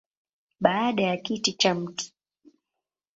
Baada ya kiti cha Mt.